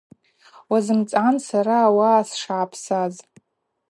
Уазымцӏгӏан сара ауаъа сшгӏапсаз.